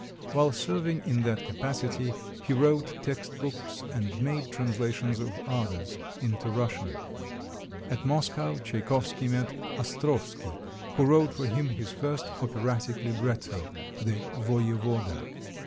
While serving in that capacity he wrote text books and made translations of others into Russian. At Moscow Tchaikovsky met Ostrovsky, who wrote for him his first operatic libretto, "The Voyevoda."